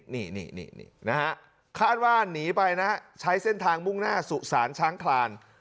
นี่นะฮะคาดว่าหนีไปนะฮะใช้เส้นทางมุ่งหน้าสุสานช้างคลาน